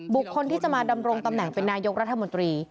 บุคคลที่จะมาดำรงตำแหน่งเป็นนายกรัฐมนตรี